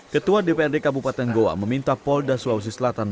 ketua dprd kabupaten goa meminta polda sulawesi selatan dan polres goa